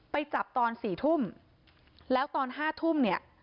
ไปจับตอน๔ทุ่มแล้วตอน๕ทุ่มเนี่ย